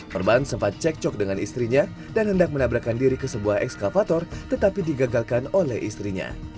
korban sempat cek cok dengan istrinya dan hendak menabrakkan diri ke sebuah ekskavator tetapi digagalkan oleh istrinya